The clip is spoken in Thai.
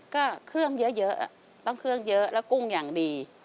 ก็เครื่องเยอะต้องเครื่องเยอะแล้วกุ้งอย่างดี